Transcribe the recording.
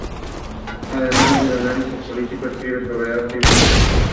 Cuando tenía cinco años, se trasladaron a vivir a Portugal.